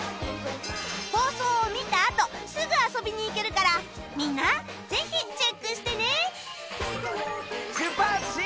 放送を見たあとすぐ遊びに行けるからみんなぜひチェックしてね！